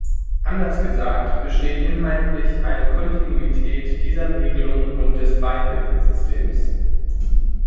Anders gesagt besteht inhaltlich eine Kontinuität dieser Regelung und des Beihilfesystems.